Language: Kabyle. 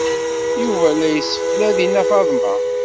Yuba la yesseflad i Nna Faḍma.